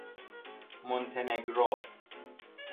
مونتهنگرو